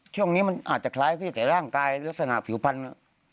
ช่วงนี้มันอาจจะคล้ายพี่แต่ร่างกายลักษณะผิวพันธุ์